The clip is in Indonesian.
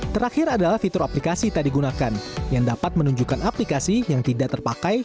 terakhir adalah fitur aplikasi tak digunakan yang dapat menunjukkan aplikasi yang tidak terpakai